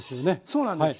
そうなんです。